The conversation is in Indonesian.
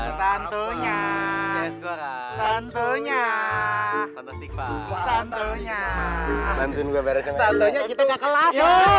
tentunya tentunya tentunya tentunya tentunya kita kelas